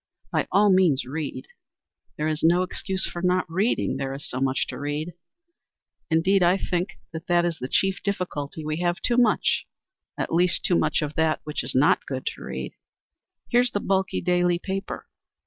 By all means read. There is no excuse for not reading, there is so much to read. Indeed I think that is the chief difficulty, we have too much, at least too much of that which is not good to read. Here's the bulky daily paper.